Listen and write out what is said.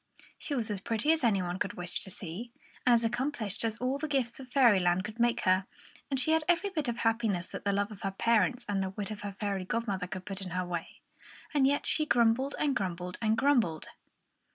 She was as pretty as any one could wish to see, and as accomplished as all the gifts of Fairyland could make her; and she had every bit of happiness that the love of her parents and the wit of her fairy godmother could put in her way. And yet she grumbled and grumbled and grumbled!